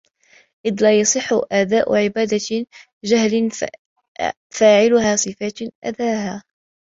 إذْ لَا يَصِحُّ أَدَاءُ عِبَادَةٍ جَهِلَ فَاعِلُهَا صِفَاتِ أَدَائِهَا